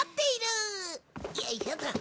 よいしょっと。